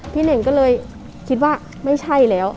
เน่งก็เลยคิดว่าไม่ใช่แล้ว